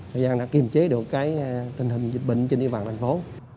tình hình dịch bệnh trên địa bàn thành phố